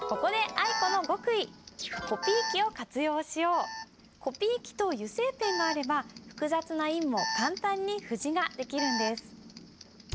ここでコピー機と油性ペンがあれば複雑な印も簡単に布字ができるんです。